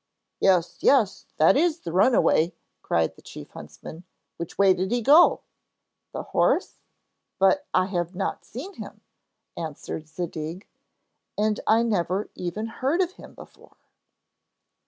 'Yes, yes, that is the runaway,' cried the chief huntsman; 'which way did he go?' 'The horse? But I have not seen him,' answered Zadig, 'and I never even heard of him before.'